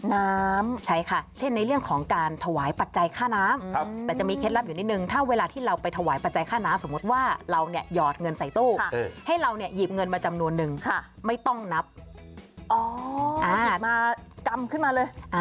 น้ำใช่ค่ะเช่นในเรื่องของการถวายปัจจัยค่าน้ำแต่จะมีเคล็ดลับอยู่นิดนึงถ้าเวลาที่เราไปถวายปัจจัยค่าน้ำสมมุติว่าเราเนี่ยหยอดเงินใส่ตู้ให้เราเนี่ยหยิบเงินมาจำนวนนึงไม่ต้องนับอ๋อหยิบมากำขึ้นมาเลย